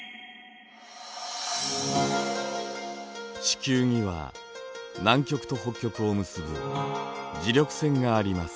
地球には南極と北極を結ぶ磁力線があります。